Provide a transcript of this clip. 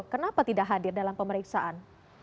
kenapa tidak hadir dalam pemeriksaan